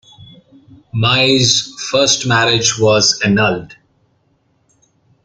Mai's first marriage was annulled.